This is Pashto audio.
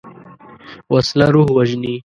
وسله روح وژني